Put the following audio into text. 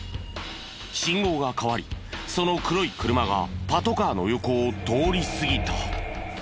信号が変わりその黒い車がパトカーの横を通り過ぎた。